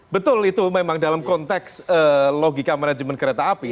betul itu memang dalam konteks logika manajemen kereta api